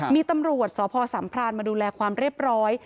มีตำรวจสพสัมพรานมาดูแลความเรียบร้อย